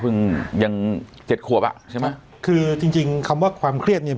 ยังเจ็ดขวบอ่ะใช่ไหมคือจริงจริงคำว่าความเครียดเนี้ย